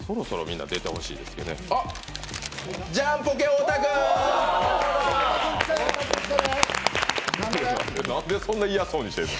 なんでそんな嫌そうにしてるの？